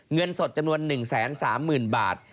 เงินสดจำนวน๑๓๐๐๐บาท